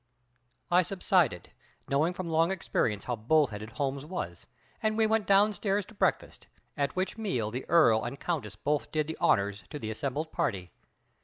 I subsided, knowing from long experience how bull headed Holmes was, and we went downstairs to breakfast, at which meal the Earl and Countess both did the honors to the assembled party.